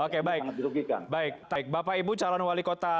oke baik baik bapak ibu calon wali kota